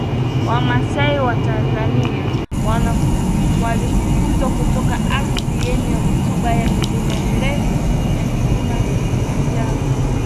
Wamasai wa Tanzania walifukuzwa kutoka ardhi yenye rutuba ya Mlima Meru na Mlima Kilimanjaro